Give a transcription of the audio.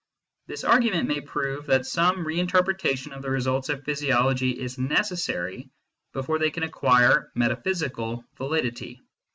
This argument may prove that some reinterpretation of the results of phy siology is necessary before they can acquire metaphysical validity.